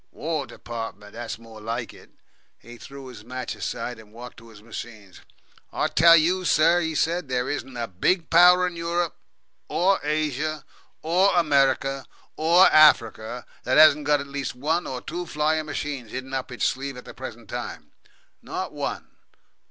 "War Departments; that's more like it." He threw his match aside, and walked to his machine. "I tell you, sir," he said, "there isn't a big Power in Europe, OR Asia, OR America, OR Africa, that hasn't got at least one or two flying machines hidden up its sleeve at the present time. Not one.